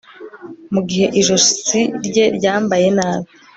Mugihe ijosi rye ryambaye nabi